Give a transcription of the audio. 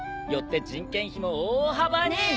よって人件費も大幅に。